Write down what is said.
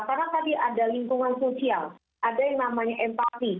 karena tadi ada lingkungan sosial ada yang namanya empati